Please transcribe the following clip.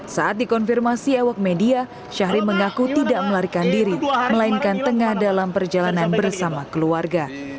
saat dikonfirmasi awak media syahril mengaku tidak melarikan diri melainkan tengah dalam perjalanan bersama keluarga